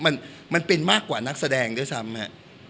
มันเป็นมากกว่านักแสดงด้วยซ้ำฮะ